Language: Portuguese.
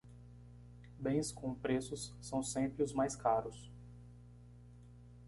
Bens com preços são sempre os mais caros.